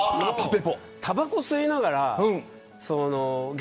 たばこを吸いながら。